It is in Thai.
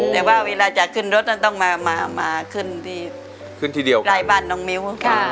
แต่ว่าเวลาจะขึ้นรถต้องมาขึ้นที่รายบ้านน้องมิ้ว